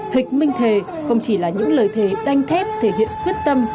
hịch minh thề không chỉ là những lời thề đanh thép thể hiện quyết tâm